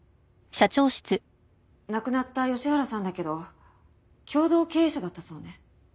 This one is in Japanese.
亡くなった吉原さんだけど共同経営者だったそうね。